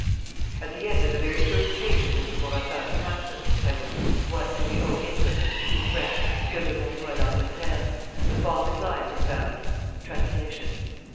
At the end of the very first page of Mr. Bourassa's pamphlet, entitled: What do we owe England? in French: Que devons nous à l'Angleterre?, The following lines are found: (_Translation.